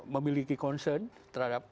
memiliki concern terhadap